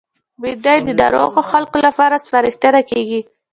بېنډۍ د ناروغو خلکو لپاره سپارښتنه کېږي